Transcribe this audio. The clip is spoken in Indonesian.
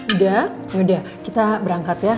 udah yaudah kita berangkat ya